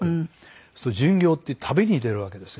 そうすると巡業って旅に出るわけですよ。